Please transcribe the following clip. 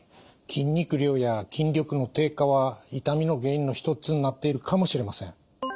筋肉量や筋力の低下は痛みの原因の一つになっているかもしれません。